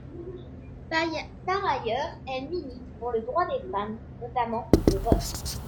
Par ailleurs, elle milite pour le droit des femmes, notamment le vote.